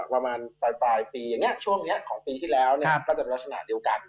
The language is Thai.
ประมาณปลายปลายปีอย่างเงี้ยช่วงเนี้ยของปีที่แล้วเนี้ยครับก็จะเป็นลักษณะเดียวกัน